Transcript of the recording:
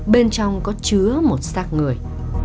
bên trong có chứa một sát người